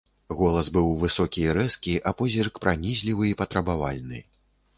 Голас быў высокі і рэзкі, а позірк пранізлівы і патрабавальны.